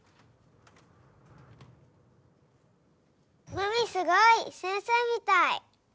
まみすごい！先生みたい。